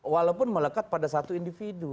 walaupun melekat pada satu individu